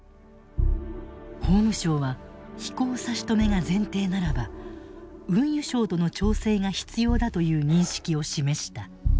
法務省は飛行差し止めが前提ならば運輸省との調整が必要だという認識を示した。